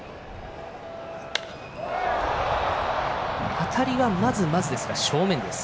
当たりは、まずまずですが正面です。